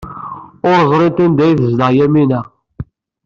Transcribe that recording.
Ur ẓrint anda ay tezdeɣ Yamina.